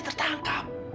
kita pasti tertangkap